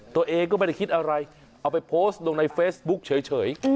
ตัวเองก็ไม่ได้คิดอะไรเอาไปโพสต์ลงในเฟซบุ๊คเฉย